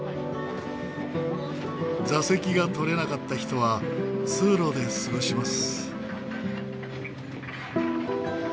座席が取れなかった人は通路で過ごします。